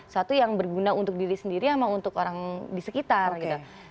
satu yang berguna untuk diri sendiri sama untuk orang di sekitar gitu